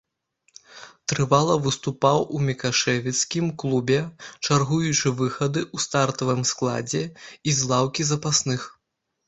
Трывала выступаў у мікашэвіцкім клубе, чаргуючы выхады ў стартавым складзе і з лаўкі запасных.